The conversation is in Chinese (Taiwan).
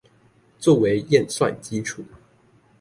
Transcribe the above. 做為驗算基礎